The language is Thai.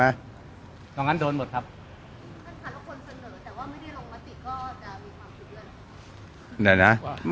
ค่ะแล้วคนเสนอแต่ว่าไม่ได้ลงมติก็จะมีความผิดด้วยหรือ